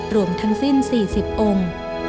รวมทั้งสิ้น๔๐องค์